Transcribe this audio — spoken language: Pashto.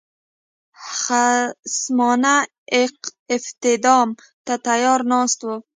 خصمانه افدام ته تیار ناست وو.